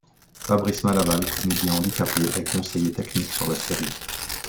Fabrice Malaval, comédien handicapé, est conseiller technique sur la série.